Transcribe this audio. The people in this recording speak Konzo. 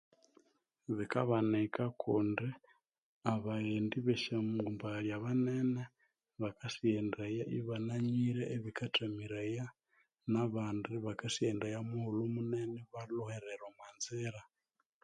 Bikabanika kundi abaghendi besyangumbaghali abanene bakasighendaya ibananywire ebikathamiraya nabandi bakasighendaya mughulhu munene ibalhuhirira omwanzira